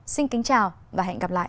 xin kính chào và hẹn gặp lại